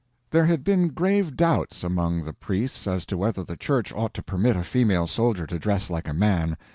There had been grave doubts among the priests as to whether the Church ought to permit a female soldier to dress like a man.